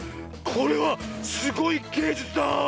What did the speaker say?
これはすごいげいじゅつだ！